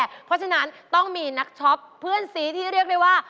เพราะฉะนั้นต้องมีนักช็อปเพื่อนซีที่เรียกได้ว่า